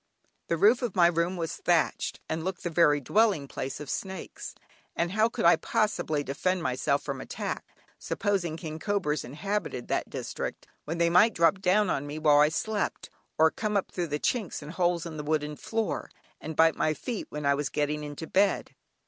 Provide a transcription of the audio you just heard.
The roof of my room was thatched, and looked the very dwelling place of snakes, and how could I possibly defend myself from attack (supposing king cobras inhabited that district), when they might drop down on me while I slept, or come up through the chinks and holes in the wooden floor, and bite my feet when I was getting into bed?